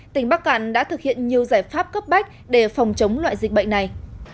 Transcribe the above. tỉnh bắc cạn đã thực hiện nhiều giải pháp cấp bách để phòng chống loại dịch bệnh này